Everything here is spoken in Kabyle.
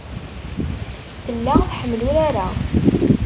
Tella iḥemmel urar-a.